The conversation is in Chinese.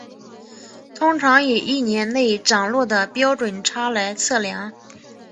通常以一年内涨落的标准差来测量。